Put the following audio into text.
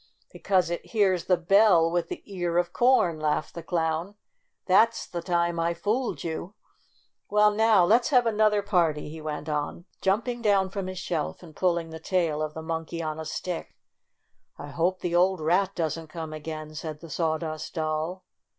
"Because it hears the bell with the ear of corn !'' laughed the clown. *' That 's the time I fooled you! Well, now let's have another party!" he went on, jumping 36 STORY OP A SAWDUST DOLL down from his shelf and pulling the tail of the Monkey on a Stick. " I hope the old rat doesn't come again," said the Sawdust Doll.